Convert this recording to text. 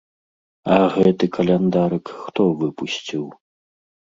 А гэты каляндарык хто выпусціў?